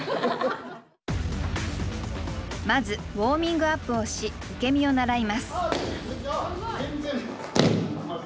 まずウォーミングアップをし受け身を習います。